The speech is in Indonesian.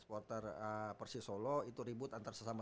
persis solo itu ribut antar sesama